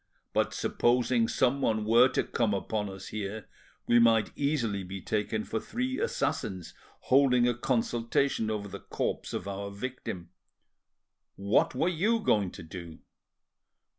But supposing someone were to come upon us here, we might easily be taken for three assassins holding a consultation over the corpse of our victim. What were you going to do?"